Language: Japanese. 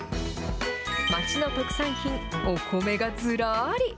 町の特産品、お米がずらーり。